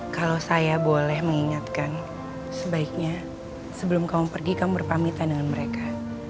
kalau saya boleh mengingatkan sebaiknya sebelum kamu pergi kamu berpamitan dengan mereka